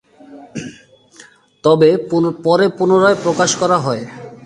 তবে, পরে পুনরায় প্রকাশ করা হয়।